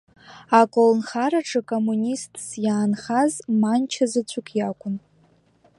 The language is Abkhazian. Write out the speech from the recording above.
Аколнхараҿы коммунистс иаанхаз Манча заҵәык иакәын.